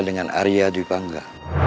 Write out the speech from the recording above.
dengan arya dwi pangga